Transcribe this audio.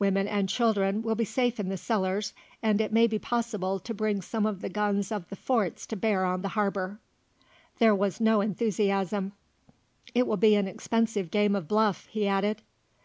Women and children will be safe in the cellars, and it may be possible to bring some of the guns of the forts to bear on the harbour." There was no enthusiasm. "It will be an expensive game of bluff," he added.